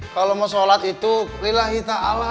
kalau mau sholat itu lillahi ta'ala